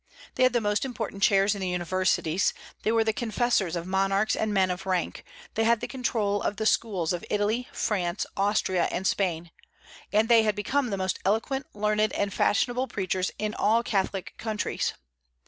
They had the most important chairs in the universities; they were the confessors of monarchs and men of rank; they had the control of the schools of Italy, France, Austria, and Spain; and they had become the most eloquent, learned, and fashionable preachers in all Catholic countries.